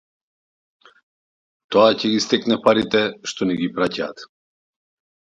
Тоа ќе ги секне парите што ни ги праќаат